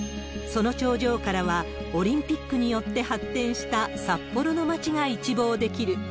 その頂上からは、オリンピックによって発展した札幌の街が一望できる。